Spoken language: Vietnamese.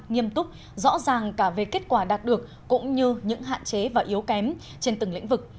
nghiêm túc rõ ràng cả về kết quả đạt được cũng như những hạn chế và yếu kém trên từng lĩnh vực